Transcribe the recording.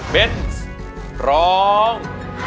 เบนส์ร้อง